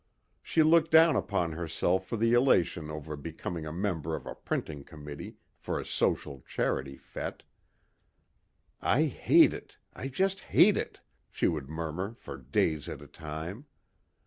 She looked down upon herself for the elation over becoming a member of a printing committee for a social charity fête. "I hate it ... I just hate it," she would murmur for days at a time.